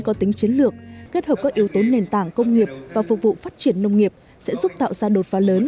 có tính chiến lược kết hợp các yếu tố nền tảng công nghiệp và phục vụ phát triển nông nghiệp sẽ giúp tạo ra đột phá lớn